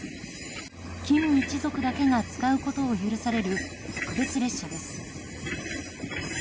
金一族だけが使うことを許される特別列車です。